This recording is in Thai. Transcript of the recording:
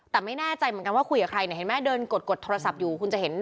แต่ไม่แน่ใจเหมือนกันว่าคุยกับใครเนี่ยเห็นแม่เดินกดโทรศัพท์อยู่